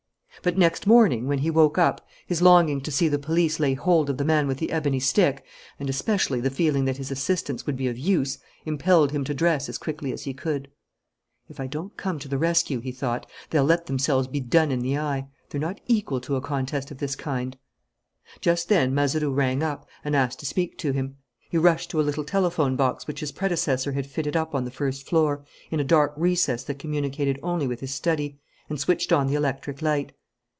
But next morning when he woke up his longing to see the police lay hold of the man with the ebony stick, and especially the feeling that his assistance would be of use, impelled him to dress as quickly as he could. "If I don't come to the rescue," he thought, "they'll let themselves be done in the eye. They're not equal to a contest of this kind." Just then Mazeroux rang up and asked to speak to him. He rushed to a little telephone box which his predecessor had fitted up on the first floor, in a dark recess that communicated only with his study, and switched on the electric light.